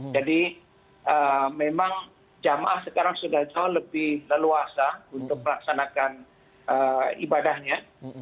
jadi memang jemaah sekarang sudah jauh lebih leluasa untuk melaksanakan ibadahnya